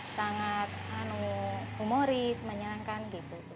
sangat umuris menyenangkan gitu